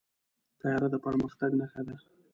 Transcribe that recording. طیاره د پرمختګ نښه ده.